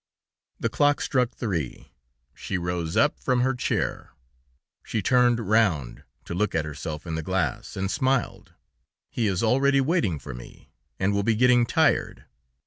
The clock struck three, she rose up from her chair, she turned round to look at herself in the glass and smiled. "He is already waiting for me, and will be getting tired."